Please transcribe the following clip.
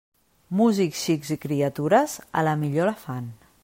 Músics, xics i criatures, a la millor la fan.